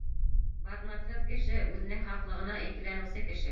Баҙнатһыҙ кеше — үҙенең хаҡлығына икеләнеүсе кеше!